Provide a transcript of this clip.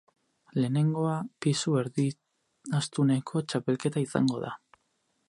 Lehenengoa, pisu erdiastuneko txapelketa izango da.